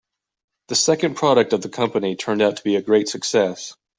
The second product of the company turned out to be a great success.